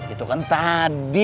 itu kan tadi